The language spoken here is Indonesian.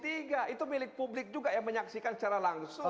itu milik publik juga yang menyaksikan secara langsung